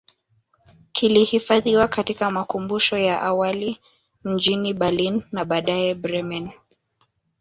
Kilihifadhiwa katika makumbusho ya awali mjini Berlin na baadae Bremen